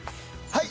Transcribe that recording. はい！